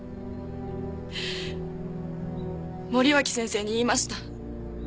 森脇先生に言いました。